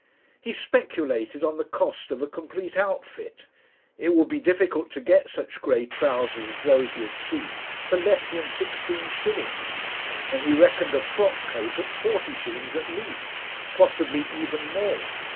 He speculated on the cost of a complete outfit. It would be difficult to get such grey trousers as those he had seen for less than sixteen shillings, and he reckoned a frock coat at forty shillings at least possibly even more.